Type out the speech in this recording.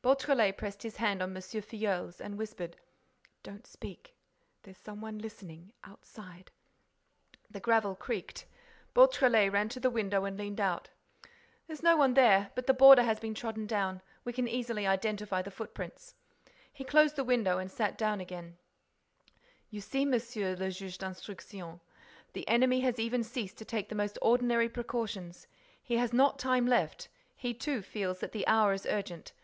Beautrelet pressed his hand on M. Filleul's and whispered: "Don't speak—there's some one listening—outside—" The gravel creaked. Beautrelet ran to the window and leaned out: "There's no one there—but the border has been trodden down—we can easily identify the footprints—" He closed the window and sat down again: "You see, Monsieur le Juge d'Instruction, the enemy has even ceased to take the most ordinary precautions—he has not time left—he too feels that the hour is urgent.